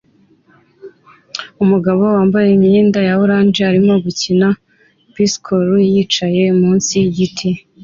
Umugabo wambaye imyenda ya orange arimo gukina piccolo yicaye munsi yigiti